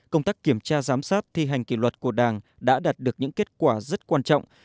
công tác kiểm tra giám sát thi hành kỷ luật của đảng đã đạt được những kết quả rất quan trọng